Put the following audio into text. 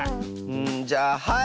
んじゃあはい！